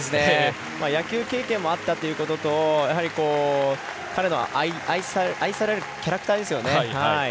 野球経験もあったということと、彼の愛されるキャラクターですよね。